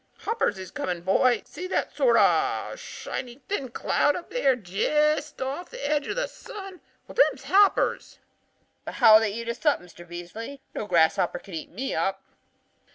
"'Hoppers is coming boy; see that sort o' shiny thin cloud up there jest off the edge o' the sun? Well, them's hoppers.' "'But how'll they eat us up, Mr. Beasley? No grasshopper can eat me up.'